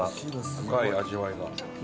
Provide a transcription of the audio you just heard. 深い味わいが。